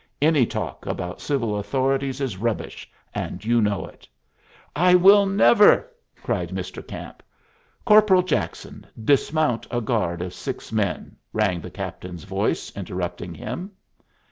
Any talk about civil authorities is rubbish, and you know it." "I will never " cried Mr. Camp. "Corporal Jackson, dismount a guard of six men," rang the captain's voice, interrupting him.